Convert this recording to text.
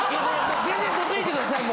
全然どついてください